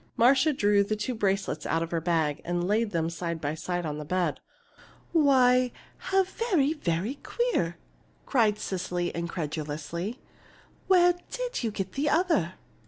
Marcia drew the two bracelets out of her bag, and laid them side by side on the bed. "Why, how very, very queer!" cried Cecily, incredulously. "Where did you get the other?"